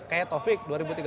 kayak taufik dua ribu tiga belas